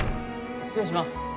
失礼します。